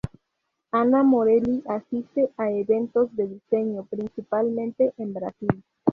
Ana Morelli asiste a eventos de diseño, principalmente en Brasil.